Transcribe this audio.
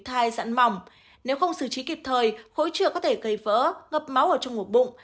thai dặn mỏng nếu không xử trí kịp thời khối trừa có thể gây vỡ ngập máu ở trong ngủ bụng